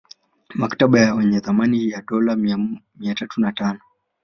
Mkataba wenye thamani ya dola milioni mia tatu na tano